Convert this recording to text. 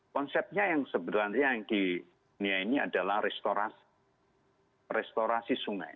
konsepnya yang sebenarnya yang di niaini adalah restorasi sungai